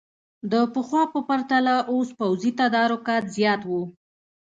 د پخوا په پرتله اوس پوځي تدارکات زیات وو.